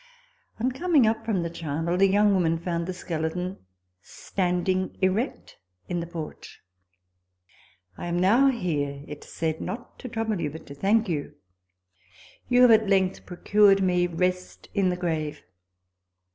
On coming up from the charnel, the young woman found the skeleton standing erect in the porch. " I am now here," it said, " not to trouble you, but to thank you : you have at length procured me rest in the grave.